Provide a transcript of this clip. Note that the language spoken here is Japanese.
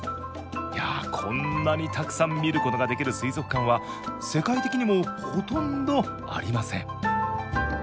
いやあこんなにたくさん見ることができる水族館は世界的にもほとんどありません。